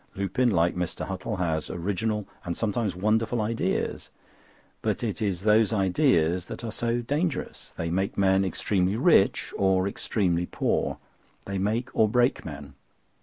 Lupin, like Mr. Huttle, has original and sometimes wonderful ideas; but it is those ideas that are so dangerous. They make men extremely rich or extremely poor. They make or break men.